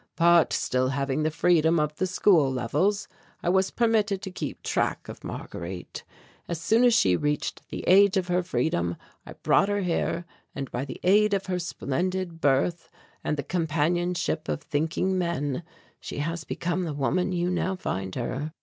But still having the freedom of the school levels, I was permitted to keep track of Marguerite. As soon as she reached the age of her freedom I brought her here, and by the aid of her splendid birth and the companionship of thinking men she has become the woman you now find her."